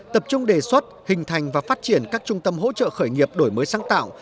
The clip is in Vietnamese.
tập trung đề xuất hình thành và phát triển các trung tâm hỗ trợ khởi nghiệp đổi mới sáng tạo